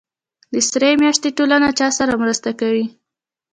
د سرې میاشتې ټولنه چا سره مرسته کوي؟